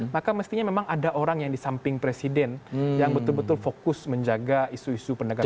maka mestinya memang ada orang yang di samping presiden yang betul betul fokus menjaga isu isu penegakan hukum